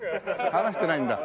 話してないんだ。